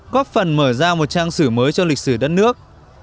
góp phần mở ra một trang sử mới cho lịch sử đất nước